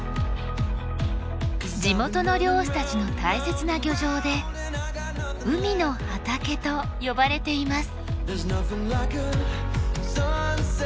地元の漁師たちの大切な漁場で海の畑と呼ばれています。